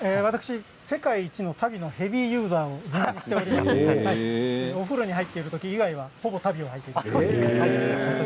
世界一の足袋のヘビーユーザーと言っていましてお風呂に入ってる時以外はほぼ足袋をはいています。